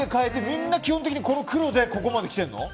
みんな基本的に黒でここまで来てるの？